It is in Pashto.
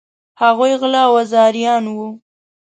هغوی غله او آزاریان وه.